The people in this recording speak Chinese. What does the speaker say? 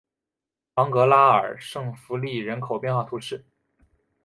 昂格拉尔圣费利人口变化图示